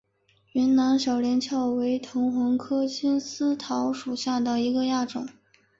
云南小连翘为藤黄科金丝桃属下的一个亚种。